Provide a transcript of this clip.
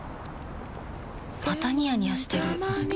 またニヤニヤしてるふふ。